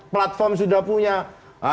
platform sudah punya